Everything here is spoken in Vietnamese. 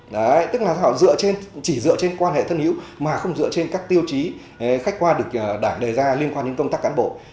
đấy tức là họ dựa trên chỉ dựa trên quan hệ thân hữu mà không dựa trên các tiêu chí khách qua được đảng đề ra liên quan đến công tác cán bộ